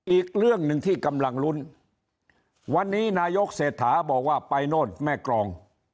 อีกเรื่องหนึ่งที่กำลังลุ้นวันนี้นายกเศรษฐาบอกว่าไปโน่นแม่กรอง